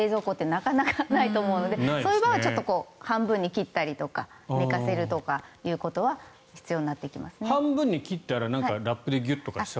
なかなかないと思うのでそういう場合はちょっと半分に切ったりとか寝かせるということは半分に切ったらラップでギュッとか？